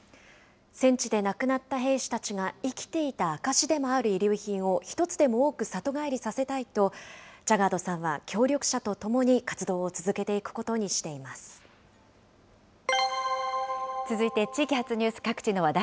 戦地で亡くなった兵士たちが生きていた証しでもある遺留品を一つでも多く里帰りさせたいと、ジャガードさんは協力者と共に活続いて地域発ニュース。